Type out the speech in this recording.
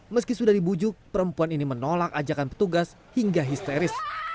meski sudah dibujuk perempuan ini menolak ajakan petugas hingga histeris